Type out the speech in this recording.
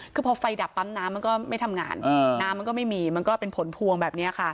คือพอไฟดับปั๊มน้ำมันก็ไม่ทำงานน้ำมันก็ไม่มีมันก็เป็นผลพวงแบบนี้ค่ะ